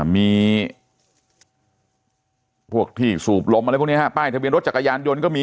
มีพวกที่สูบลมอะไรพวกนี้ฮะป้ายทะเบียนรถจักรยานยนต์ก็มี